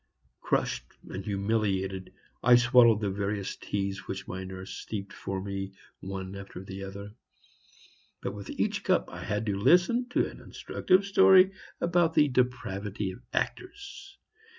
Crushed and humiliated, I swallowed the various teas which my nurse steeped for me one after another. But with each cup I had to listen to an instructive story about the depravity of actors.